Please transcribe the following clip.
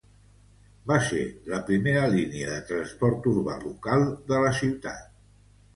Va ser la primera línia de transport urbà local de la ciutat.